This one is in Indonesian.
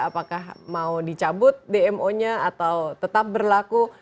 apakah mau dicabut dmo nya atau tetap berlaku